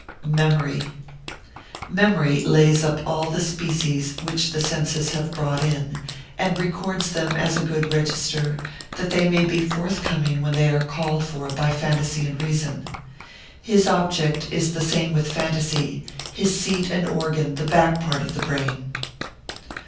Memory.] Memory lays up all the species which the senses have brought in, and records them as a good register, that they may be forthcoming when they are called for by phantasy and reason. His object is the same with phantasy, his seat and organ the back part of the brain.